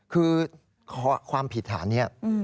คือความผิดฐานนี้